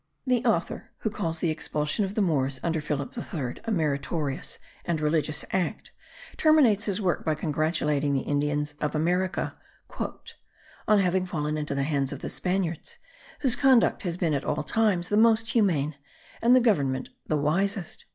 ] The author, who calls the expulsion of the Moors under Philip III a meritorious and religious act, terminates his work by congratulating the Indians of America "on having fallen into the hands of the Spaniards, whose conduct has been at all times the most humane, and their government the wisest."